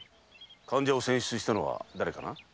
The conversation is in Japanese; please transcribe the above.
患者を選出したのは誰かな？